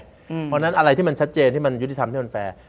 เพราะฉะนั้นอะไรที่มันชัดเจนที่มันยุติธรรมที่มันแฟร์